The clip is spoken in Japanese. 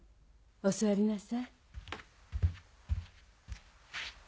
お座りなさい。